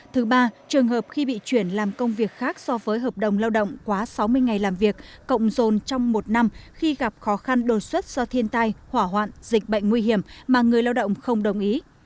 thứ ba trường hợp khi bị chuyển làm công việc khác so với hợp đồng lao động quá sáu mươi ngày làm việc cộng dồn trong một năm khi gặp khó khăn đột xuất do thiên tai hỏa hoạn dịch bệnh nguy hiểm mà người lao động không đồng ý